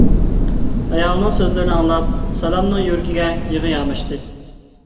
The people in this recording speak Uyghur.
ئايالىنىڭ سۆزلىرىنى ئاڭلاپ سالامنىڭ يۈرىكىگە يىغا ياماشتى.